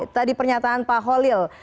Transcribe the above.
tadi pernyataan pak holil